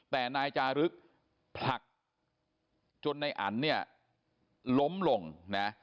แต่นายจารึกผลักจนในอันเนี่ยล้มลงนะ